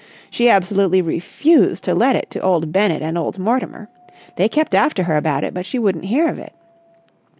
She absolutely refused to let it to old Bennett and old Mortimer. They kept after her about it, but she wouldn't hear of it.